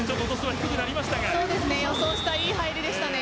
予想した、いい入りでした。